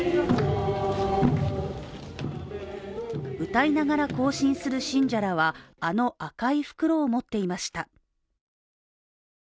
歌いながら行進する信者らはあの赤い袋を持っていました。